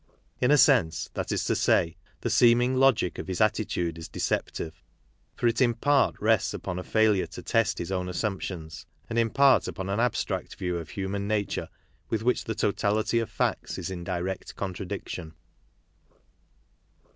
In a sense, that is to say, the seem ing logic of his attitude is deceptive, for it in part rests upon a failure to test his own assumptions, and in part upon an abstract view of human nature with which the totality of facts is in direct contradiction.